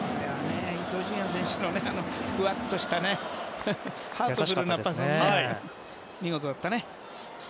伊東純也選手のふわっとしたハートフルなパスも見事だったね。